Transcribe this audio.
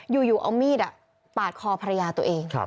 อยู่เอามีดปาดคอภรรยาตัวเอง